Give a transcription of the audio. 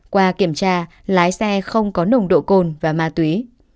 qua kiểm tra lái xe không có nồng độ cồn và ma túy